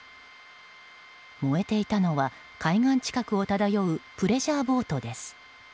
燃えていたのは海岸近くを漂うプレジャーボートです。